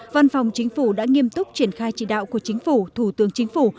văn phòng chính phủ đã nghiêm túc triển khai chỉ đạo của chính phủ thủ tướng chính phủ